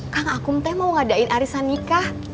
kang akun teh mau ngadain arisan nikah